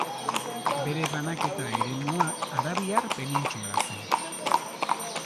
Bere banaketa eremua Arabiar penintsula zen.